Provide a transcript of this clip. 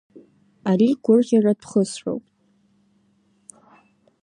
Ари гәырӷьаратә хысроуп.